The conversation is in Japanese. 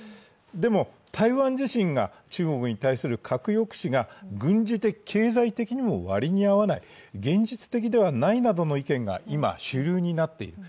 でも、台湾自身が中国に対する核抑止が軍事的・経済的にも割に合わない、現実的ではないなどの意見が今、主流になっている。